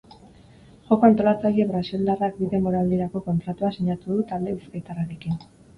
Joko-antolatzaile brasildarrak bi denboraldirako kontratua sinatu du talde bizkaitarrarekin.